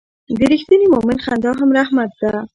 د رښتیني مؤمن خندا هم رحمت ده.